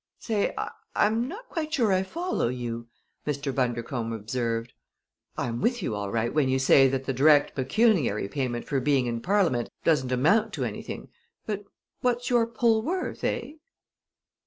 "Say, I'm not quite sure I follow you," Mr. Bundercombe observed. "I am with you all right when you say that the direct pecuniary payment for being in Parliament doesn't amount to anything; but what's your pull worth, eh?"